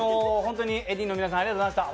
ＡＤの皆さん、本当にありがとうございます。